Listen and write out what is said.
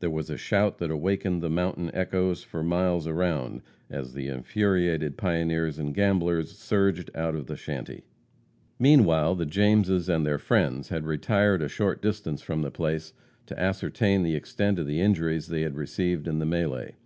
There was a shout that awakened the mountain echoes for miles around, as the infuriated pioneers and gamblers surged out of the shanty. Meanwhile the Jameses and their friends had retired a short distance from the place to ascertain the extent of the injuries they had received in the melee.